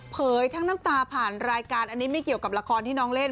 ทั้งน้ำตาผ่านรายการอันนี้ไม่เกี่ยวกับละครที่น้องเล่น